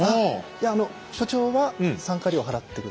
いやあの所長は参加料払って下さい。